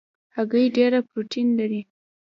هګۍ ډېره پروټین لري.